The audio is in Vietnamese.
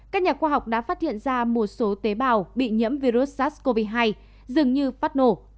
các nhà khoa học đã phát hiện ra một số tế bào bị nhiễm virus sars cov hai dường như phát nổ